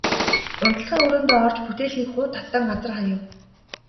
Унтлагын өрөөндөө орж бүтээлгийг хуу татан газар хаяв.